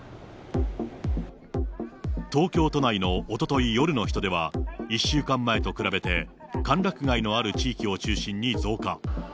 東京都内のおととい夜の人出は、１週間前と比べて、歓楽街のある地域を中心に増加。